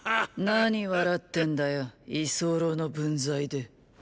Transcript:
何笑ってんだよ居候の分際で。